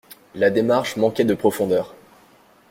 La démarche manquait de profondeur.